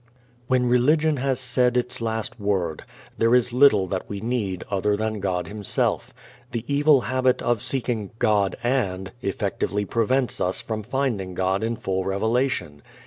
When religion has said its last word, there is little that we need other than God Himself. The evil habit of seeking God and effectively prevents us from finding God in full revelation.